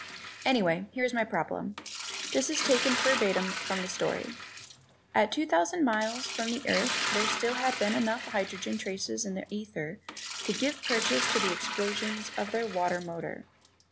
Anyway, here is my problem; this is taken verbatim from the story: "At two thousand miles from the Earth there had still been enough hydrogen traces in the ether to give purchase to the explosions of their water motor."